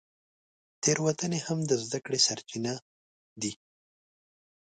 تېروتنې هم د زده کړې سرچینه دي.